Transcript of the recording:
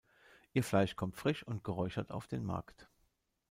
Ihr Fleisch kommt frisch und geräuchert auf den Markt.